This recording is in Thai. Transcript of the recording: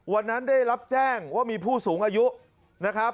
วันนั้นได้รับแจ้งว่ามีผู้สูงอายุนะครับ